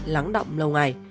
lắng động lâu ngày